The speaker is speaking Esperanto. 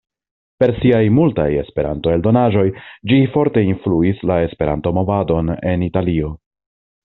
Per siaj multaj Esperanto-eldonaĵoj ĝi forte influis la Esperanto-Movadon en Italio.